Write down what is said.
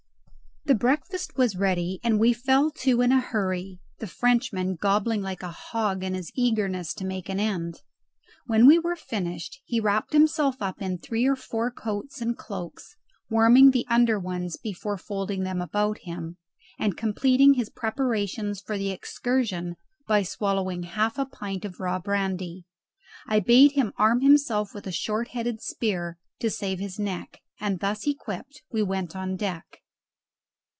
The breakfast was ready, and we fell to in a hurry, the Frenchman gobbling like a hog in his eagerness to make an end. When we were finished he wrapped himself up in three or four coats and cloaks, warming the under ones before folding them about him, and completing his preparations for the excursion by swallowing half a pint of raw brandy. I bade him arm himself with a short headed spear to save his neck; and thus equipped we went on deck.